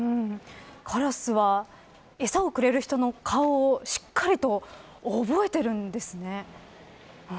カラスは餌をくれる人の顔をしっかりと覚えているんですね。